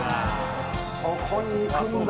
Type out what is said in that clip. そこに行くんだ。